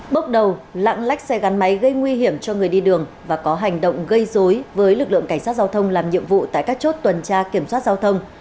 bước đầu lạng lách xe gắn máy gây nguy hiểm cho người đi đường và có hành động gây dối với lực lượng cảnh sát giao thông làm nhiệm vụ tại các chốt tuần tra kiểm soát giao thông